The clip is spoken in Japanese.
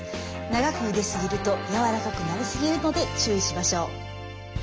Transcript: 長くゆですぎるとやわらかくなりすぎるので注意しましょう。